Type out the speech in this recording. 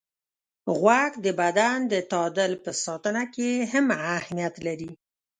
غوږ د بدن د تعادل په ساتنه کې هم اهمیت لري.